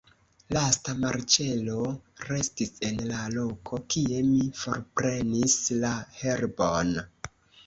Lasta marĉero restis en la loko, kie mi forprenis la herbon.